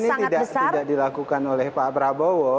ini tidak dilakukan oleh pak prabowo